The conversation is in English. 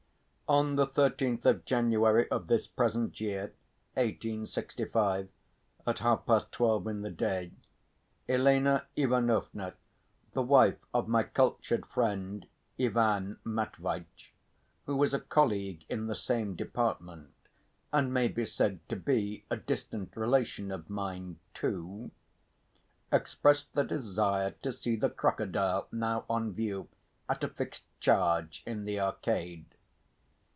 I On the thirteenth of January of this present year, 1865, at half past twelve in the day, Elena Ivanovna, the wife of my cultured friend Ivan Matveitch, who is a colleague in the same department, and may be said to be a distant relation of mine, too, expressed the desire to see the crocodile now on view at a fixed charge in the Arcade.